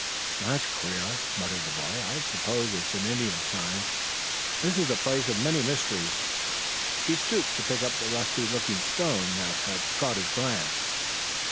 "That's queer," muttered the boy. "I suppose it's an Indian sign. This is a place of many mysteries." He stooped to pick up the rusty looking stone that had caught his glance.